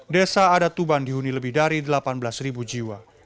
desa adat tuban dihuni lebih dari delapan belas ribu jiwa